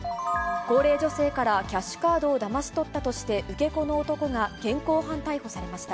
高齢女性からキャッシュカードをだまし取ったとして、受け子の男が現行犯逮捕されました。